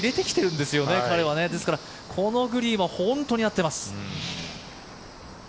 ですから、このグリーンは本当に合ってます。